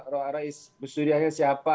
rok aris besudianya siapa